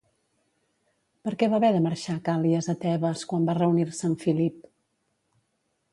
Per què va haver de marxar Càl·lies a Tebes quan va reunir-se amb Filip?